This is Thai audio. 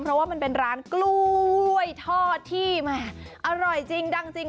เพราะว่ามันเป็นร้านกล้วยทอดที่แหมอร่อยจริงดังจริง